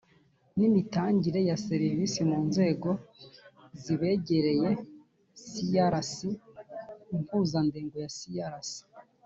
N imitangire ya serivisi mu nzego zibegereye crc impuzandego ya crc